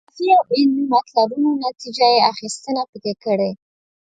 د فلسفي او علمي مطلبونو نتیجه یې اخیستنه پکې کړې.